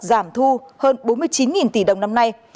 giảm thu hơn bốn mươi chín tỷ đồng năm nay